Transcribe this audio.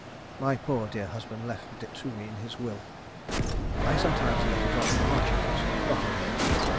My poor dear husband left it to me in his will. I sometimes let it off in lodgings. Not always.